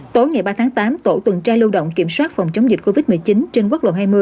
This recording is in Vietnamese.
tối ngày ba tháng tám tổ tuần tra lưu động kiểm soát phòng chống dịch covid một mươi chín trên quốc lộ hai mươi